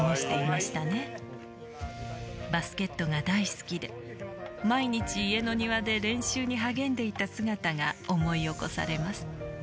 「バスケットが大好きで毎日家の庭で練習に励んでいた姿が思い起こされます」